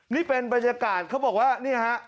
นี่เป็นบรรยากาศเขาบอกว่านี่ฮะ